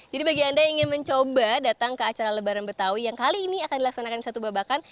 jadi bagi anda yang ingin mencoba datang ke acara lebaran betawi yang kali ini akan dilaksanakan di satu babakan